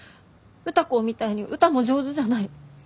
歌子みたいに歌も上手じゃない。